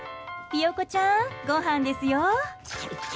ピヨコちゃん、ごはんですよ。